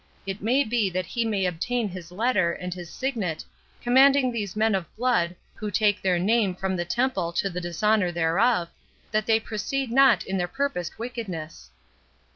It may be that he may obtain his letter, and his signet, commanding these men of blood, who take their name from the Temple to the dishonour thereof, that they proceed not in their purposed wickedness."